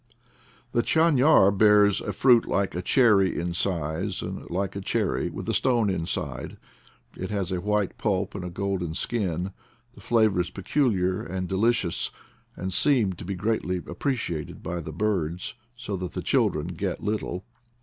The chafiar bears a fruit like a cherry in size, and, like a cherry, with a stone inside; it has a white pulp and a golden skin; the flavor is peculiar and delicious, and seemed to be greatly appreciated by the birds, so that the children get little.